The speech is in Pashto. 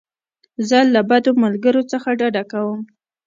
زه له بدو ملګرو څخه ډډه کوم.